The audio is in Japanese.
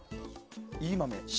いい豆も。